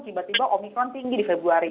tiba tiba omikron tinggi di februari